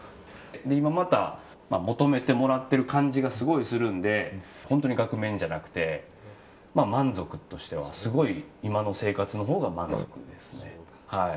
今また求めてもらってる感じがすごいするので本当に額面じゃなくて満足としてはすごい今の生活のほうが満足ですね。